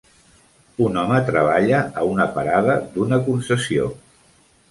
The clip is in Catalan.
Un home treballa a una parada d'una concessió